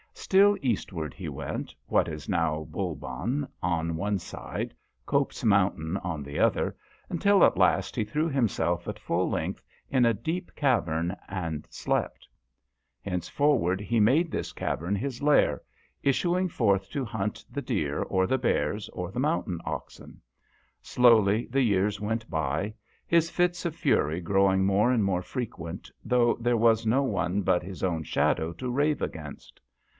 Still eastward he went, what is now Bulban on one side, Cope's mountain on the other, until at last he threw himself at full length in a deep cavern and slept. Henceforward he made this cavern his lair, issuing forth to hunt the deer or the bears or the mountain oxen. Slowly the years went by, his fits of fury growing more and more frequent, though there was no one but his own shadow to rave against.